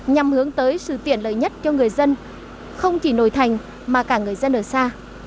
nhằm hướng tới sự tiện lợi nhất cho người dân không chỉ nội thành mà cả người dân ở xa